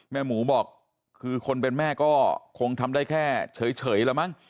หมูบอกคือคนเป็นแม่ก็คงทำได้แค่เฉยแล้วมั้ง